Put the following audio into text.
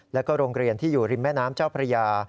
แล้วก็โรงเรียนที่อยู่ริมแม่น้ำเจ้าพระยา